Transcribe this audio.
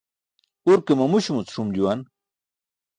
Urke mamuśumucum ṣum juwan.